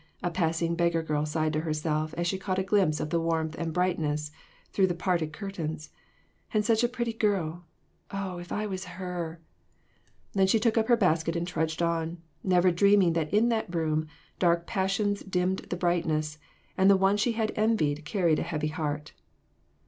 a passing beggar girl sighed to herself as she caught a glimpse of the warmth and brightness through the parted curtains ;" and such a pretty girl ! Oh, if I was her!" Then she took up her basket and trudged on, never dreaming that in that room, dark passions dimmed the brightness, and the one she had envied carried a heavy heart.